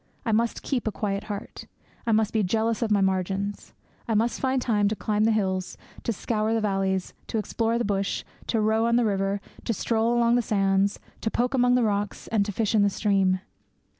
I must keep a quiet heart. I must be jealous of my margins. I must find time to climb the hills, to scour the valleys, to explore the bush, to row on the river, to stroll along the sands, to poke among the rocks, and to fish in the stream.